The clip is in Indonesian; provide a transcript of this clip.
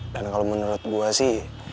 dan kalo menurut gue sih